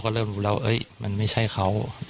แล้วเราก็